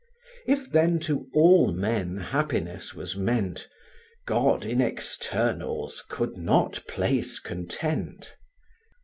If then to all men happiness was meant, God in externals could not place content.